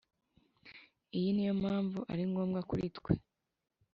iyi niyo mpamvu ari ngombwa kuri twe